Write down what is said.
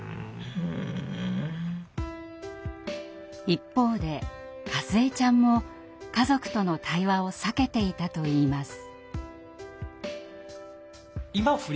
一方でかずえちゃんも家族との対話を避けていたといいます。